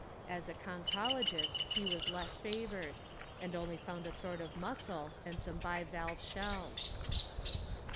As a conchologist he was less favoured, and only found a sort of mussel and some bivalve shells.